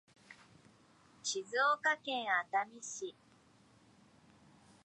静岡県熱海市